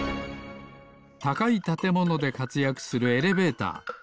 たかいたてものでかつやくするエレベーター。